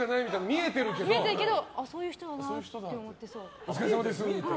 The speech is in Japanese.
見えてるけどそういう人だなって思ってそう。